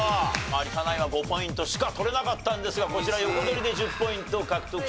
有田ナインは５ポイントしか取れなかったんですがこちら横取りで１０ポイント獲得しました。